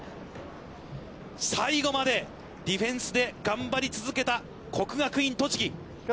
最後までディフェンスで頑張り続けた国学院栃木。